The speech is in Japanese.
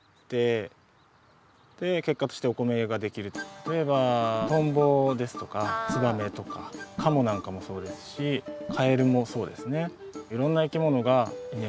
例えばトンボですとかツバメとかカモなんかもそうですしカエルもそうですね。